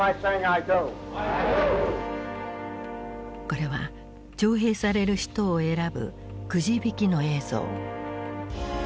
これは徴兵される人を選ぶくじ引きの映像。